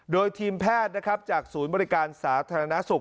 โดยทีมแพทย์นะครับจากศูนย์บริการสาธารณสุข